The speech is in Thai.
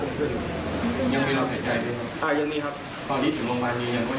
ตอนที่ถึงโรงพยาบาลนี้ยังมีรอบหายใจ